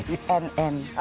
saya datang ke cnn